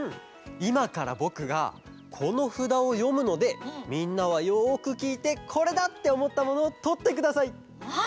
いまからぼくがこのふだをよむのでみんなはよくきいてこれだっておもったものをとってください！